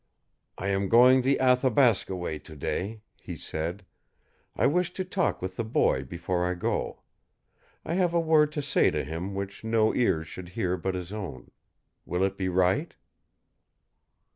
"I am going the Athabasca way to day," he said. "I wish to talk with the boy before I go. I have a word to say to him which no ears should hear but his own. Will it be right?"